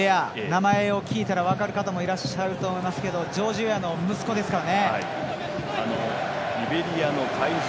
名前を聞いたら分かる方もいらっしゃると思いますけどあのウェアの息子ですから。